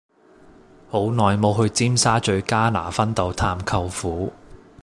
好耐無去尖沙咀加拿分道探舅父